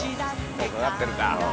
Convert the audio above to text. もうかかってるか。